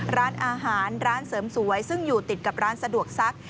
ร้านอาหารร้านเสริมสวยซึ่งอยู่ติดกับร้านสะดวกซัก